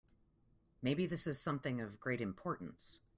Maybe this is something of great importance.